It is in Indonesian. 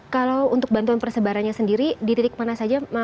kalau untuk bantuan persebarannya sendiri di titik mana saja